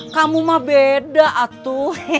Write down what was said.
kamu mah beda atu